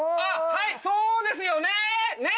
はいそうですよね！ね！